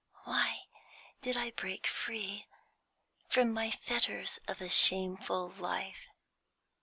"Why did I break free from the fetters of a shameful life?